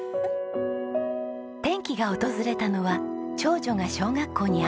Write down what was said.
転機が訪れたのは長女が小学校に上がる前。